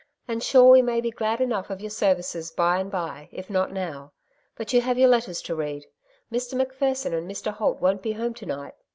^' And sure we may be glad enough of your services by and by, if not now. But you have your letters to read. Mr. Macpherson and Mr. Holt won't be home to night.